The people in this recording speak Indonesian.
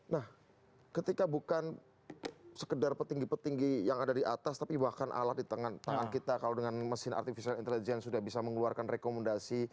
nah ketika bukan sekedar petinggi petinggi yang ada di atas tapi bahkan alat di tangan kita kalau dengan mesin artificial intelligence sudah bisa mengeluarkan rekomendasi